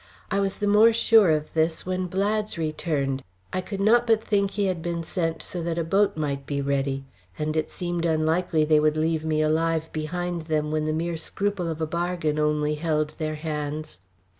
I was the more sure of this when Blads returned. I could not but think he had been sent so that a boat might be ready, and it seemed unlikely they would leave me alive behind them when the mere scruple of a bargain only held their hands.